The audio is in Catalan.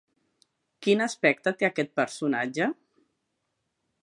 Quin aspecte té aquest personatge?